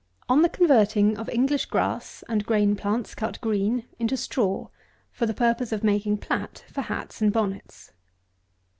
_On the converting of English Grass, and Grain Plants cut green, into Straw, for the purpose of making Plat for Hats and Bonnets.